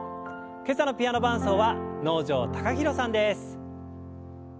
今朝のピアノ伴奏は能條貴大さんです。